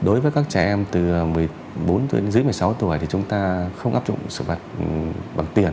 đối với các trẻ em từ một mươi bốn tuổi đến dưới một mươi sáu tuổi thì chúng ta không áp dụng xử phạt bằng tiền